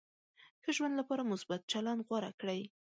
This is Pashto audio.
ښه ژوند لپاره مثبت چلند غوره کړئ.